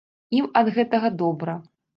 Ім ад гэтага добра.